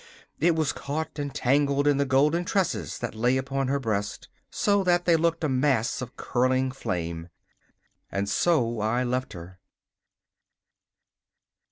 It was caught and tangled in the golden tresses that lay upon her breast, so that they looked a mass of curling flame. And so I left her.